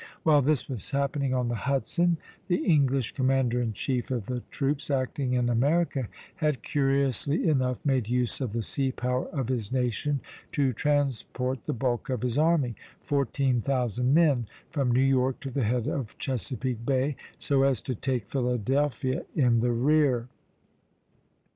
While this was happening on the Hudson, the English commander in chief of the troops acting in America had curiously enough made use of the sea power of his nation to transport the bulk of his army fourteen thousand men from New York to the head of Chesapeake Bay, so as to take Philadelphia in the rear.